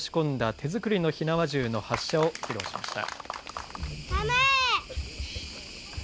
手作りの火縄銃の発射を披露しました。